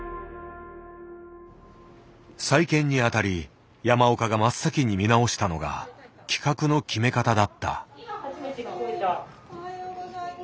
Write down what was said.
再建にあたり山岡が真っ先に見直したのが企画の決め方だった。